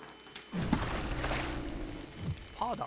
パーだ！